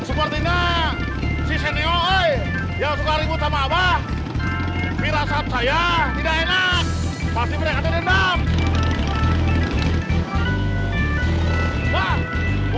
sepertinya neng repate sudah sampai bandung pak